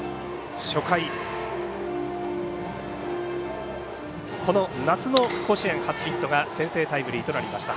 初回、この夏の甲子園初ヒットが先制タイムリーとなりました。